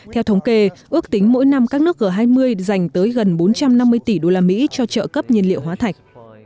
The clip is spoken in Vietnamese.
theo thống kê ước tính mỗi năm các nước g hai mươi dành tới gần bốn trăm năm mươi tỷ usd cho trợ cấp nhiên liệu hóa thạch